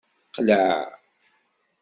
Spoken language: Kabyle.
Qleɛ!